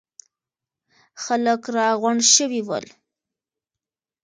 خلک راغونډ شوي ول.